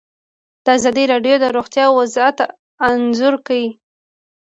ازادي راډیو د روغتیا وضعیت انځور کړی.